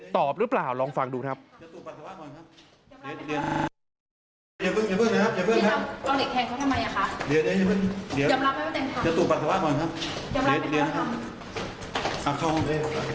ตอบหรือเปล่าลองฟังดูครับ